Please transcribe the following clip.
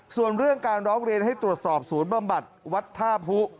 ส่วนเรื่องการร้องเรียนให้ตรวจสอบศูนย์บำบัดวัดท่าผู้